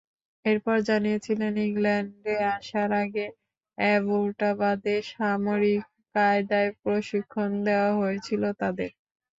এরপর জানিয়েছিলেন, ইংল্যান্ডে আসার আগে অ্যাবোটাবাদে সামরিক কায়দায় প্রশিক্ষণ দেওয়া হয়েছিল তাদের।